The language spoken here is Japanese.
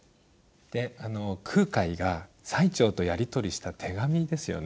で空海が最澄とやり取りした手紙ですよね。